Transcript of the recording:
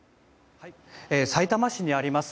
さいたま市にあります